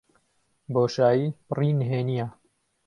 بۆشایی پڕی نهێنییە.